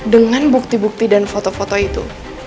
dengan bukti bukti dan foto foto itu